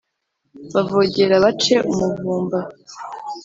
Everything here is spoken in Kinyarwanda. bavogere bace umuvumba!